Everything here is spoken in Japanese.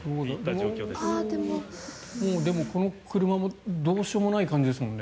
でももうこの車もどうしようもない感じですもんね。